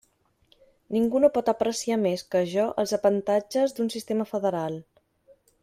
Ningú no pot apreciar més que jo els avantatges d'un sistema federal.